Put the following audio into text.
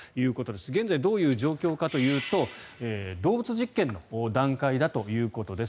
現在どういう状況かというと動物実験の段階だということです。